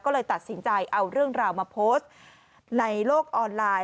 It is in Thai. ก็เลยตัดสินใจเอาเรื่องราวมาโพสต์ในโลกออนไลน์